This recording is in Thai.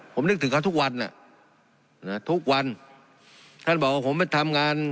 ผมนึกถึงเขาทุกวันอ่ะนะทุกวันท่านบอกว่าผมไปทำงาน